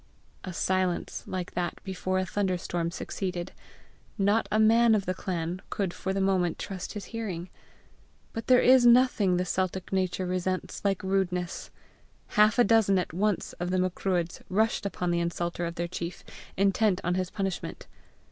A silence like that before a thunderstorm succeeded: not a man of the clan could for the moment trust his hearing. But there is nothing the Celtic nature resents like rudeness: half a dozen at once of the Macruadhs rushed upon the insulter of their chief, intent on his punishment.